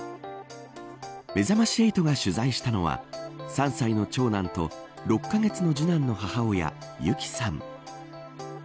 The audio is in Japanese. めざまし８が取材したのは３歳の長男と６カ月の次男の母親ユキさん。